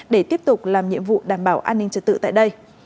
để tiếp tục làm nhiệm vụ đảm bảo an ninh trật tự tại đây